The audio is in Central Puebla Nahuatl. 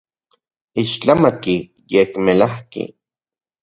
Ixtlamatki, yekmelajki.